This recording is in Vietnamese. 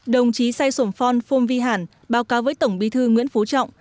đồng chí say sổn phon phong vy hẳn báo cáo với tổng bí thư nguyễn phú trọng